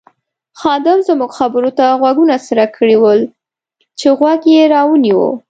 خادم زموږ خبرو ته غوږونه څرک کړي ول چې غوږ یې را ونیو.